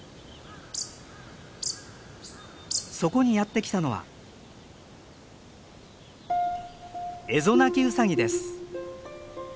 そこにやって来たのはエゾナキウサギです。